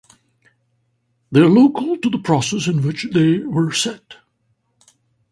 They are local to the process in which they were set.